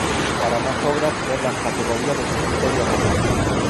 Para más obras, ver la categoría de Wikimedia Commons.